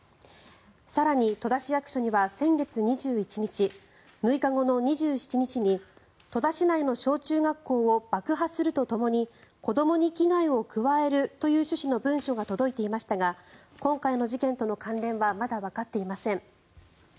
更に戸田市役所には先月２１日、６日後の２７日に戸田市内の小中学校を爆破するとともに子どもに危害を加えるという趣旨の文書が届いていましたが今回の事件との関連はまだわかっていません。